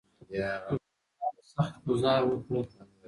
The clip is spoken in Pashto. پر دښمن باندې سخت ګوزار وکړه.